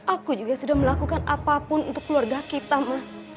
aku juga sudah melakukan apapun untuk keluarga kita mas